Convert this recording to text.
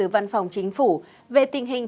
văn phòng chính phủ về tình hình